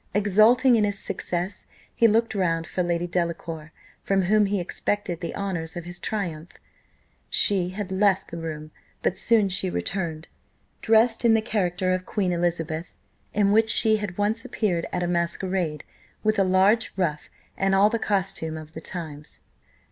Exulting in his success, he looked round for Lady Delacour, from whom he expected the honours of his triumph. She had left the room, but soon she returned, dressed in the character of Queen Elizabeth, in which she had once appeared at a masquerade, with a large ruff, and all the costume of the times.